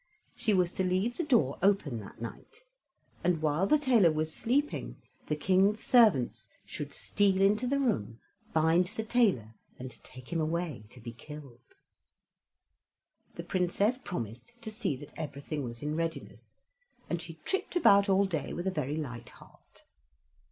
She was to leave the door open that night, and while the tailor was sleeping, the King's servants should steal into the room, bind the tailor, and take him away to be killed. The Princess promised to see that everything was in readiness, and she tripped about all day with a very light heart.